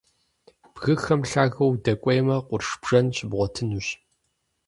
Бгыхэм лъагэу удэкӀуеймэ, къурш бжэн щыбгъуэтынущ.